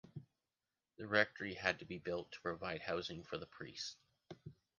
The rectory had to be built to provide housing for the priest.